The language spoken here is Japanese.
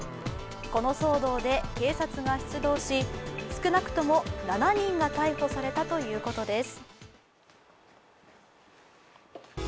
この騒動で警察が出動し少なくとも７人が逮捕されたということです。